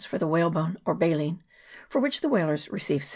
for the whalebone, or baleen, for which the whalers receive 78